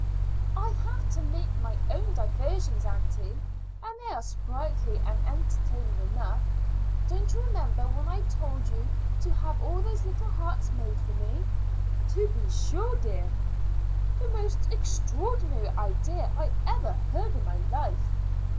"I have to make my own diversions, aunty, and they are sprightly and entertaining enough. Don't you remember when I told you to have all those little hearts made for me?" "To be sure, dear the most extraordinary idea I ever heard in my life.